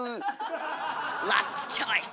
ラストチョイス。